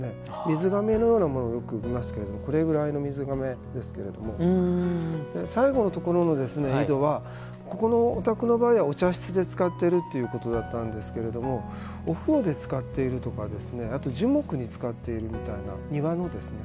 水がめのようなものをよく見ますけどこれぐらいの水がめですけれども最後のところの井戸はここのお宅の場合はお茶室で使っているということだったんですけどお風呂で使っているとか樹木に使っているみたいな庭のですね。